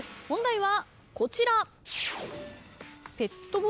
問題はこちら。